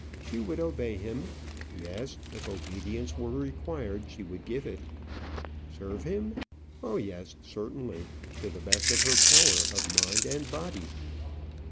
She would obey him. Yes; if obedience were required, she would give it. Serve him? oh, yes, certainly; to the best of her power of mind and body.